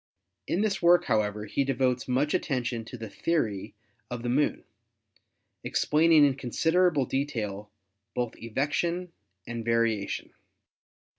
In this work, however, he devotes much attention to the theory of the 176 ASTRONOMY Moon, explaining in considerable detail both evection and variation.